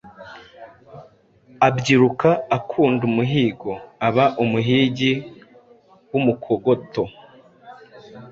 abyiruka akunda umuhigo, aba umuhigi w’umukogoto;